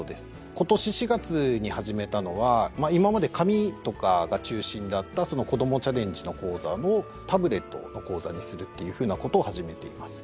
ことし４月に始めたのは今まで紙とかが中心だった「こどもちゃれんじ」の講座をタブレットの講座にするっていうふうなことを始めています。